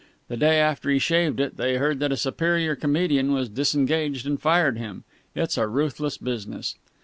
The day after he shaved it, they heard that a superior comedian was disengaged and fired him. It's a ruthless business."